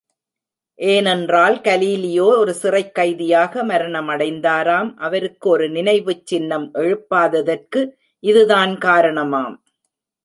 ஏனென்றால், கலீலியோ ஒரு சிறைக் கைதியாக மரணமடைந்தாராம் அவருக்கு ஒரு நினைவுச் சின்னம் எழுப்பாததற்கு இது தான் காரணமாம்!